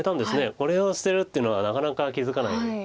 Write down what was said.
これを捨てるっていうのはなかなか気付かない。